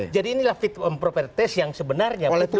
jadi inilah fitur propertes yang sebenarnya